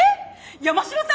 山城さん